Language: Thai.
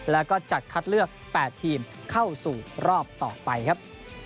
แล้วก็จัดคัดเลือก๘ทีมเข้าสู่รอบต่อไปครับ